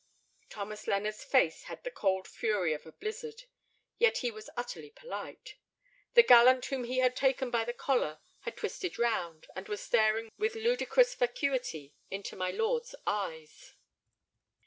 Thomas Lennard's face had the cold fury of a blizzard. Yet he was utterly polite. The gallant whom he had taken by the collar had twisted round, and was staring with ludicrous vacuity into my lord's eyes.